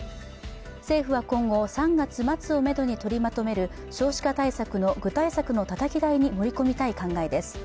政府は今後、３月すえめどに取りまとめる少子化対策の具体策のたたき台に盛り込みたい考えです。